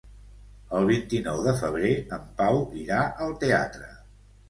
El vint-i-nou de febrer en Pau irà al teatre.